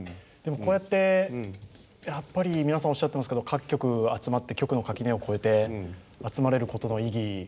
でもこうやってやっぱり皆さんおっしゃってますけど各局集まって局の垣根を越えて集まれることの意義